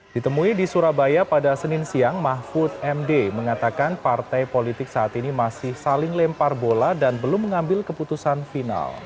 ditemui di surabaya pada senin siang mahfud md mengatakan partai politik saat ini masih saling lempar bola dan belum mengambil keputusan final